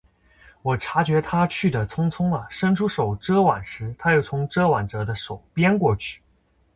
我觉察他去的匆匆了，伸出手遮挽时，他又从遮挽着的手边过去。